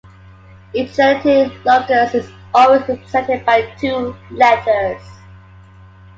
Each genetic locus is always represented by two letters.